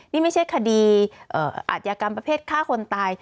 นี่ไม่ใช่คดีอาจยากรรมประเภทฆ่าคนตาย